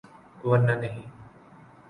‘ ورنہ نہیں۔